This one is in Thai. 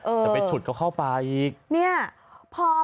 โอ้โหจะไปฉุดเขาเข้าปลาอีก